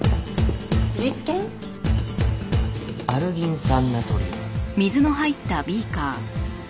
アルギン酸ナトリウム。